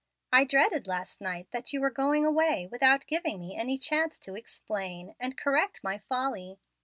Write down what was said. I dreaded, last night, that you were going away without giving me any chance to explain and correct my folly.